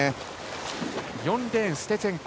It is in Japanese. ４レーン、ステツェンコ。